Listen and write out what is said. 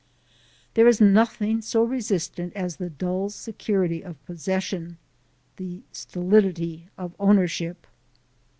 There is nothing so resistant as the dull security of possession the stolidity of ownership!